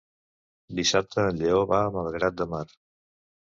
Dissabte en Lleó va a Malgrat de Mar.